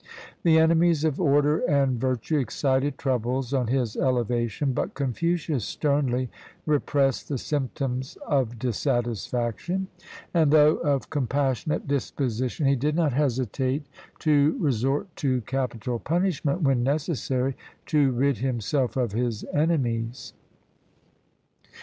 The enemies of order and virtue excited troubles on his elevation; but Confucius sternly repressed the symptoms of dissatisfaction, and though of compassionate disposition, he did not hesitate IS CHINA to resort to capital punishment when necessary to rid himself of his enemies.